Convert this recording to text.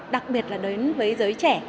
đặc biệt là đến với giới trẻ